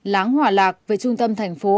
láng hỏa lạc về trung tâm thành phố